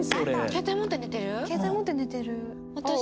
携帯持って寝てる。